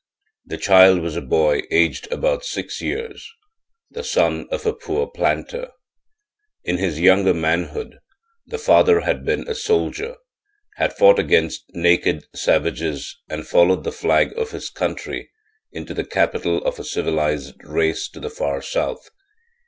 The child was a boy aged about six years, the son of a poor planter. In his younger manhood the father had been a soldier, had fought against naked savages and followed the flag of his country into the capital of a civilized race to the far South.